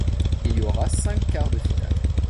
Il y aura cinq quarts de finale.